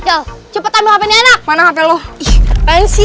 cal cepet ambil hp anak mana hp lo ihh pensi